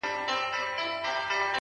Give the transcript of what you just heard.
o زړه مي د اشنا په لاس کي وليدی ـ